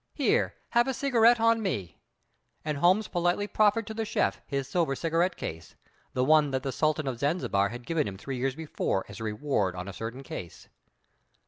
Here, have a cigarette on me." And Holmes politely proffered to the chef his silver cigarette case, the one that the Sultan of Zanzibar had given him three years before as a reward on a certain case.